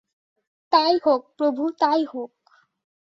তাই হোক, প্রভু তাই হোক।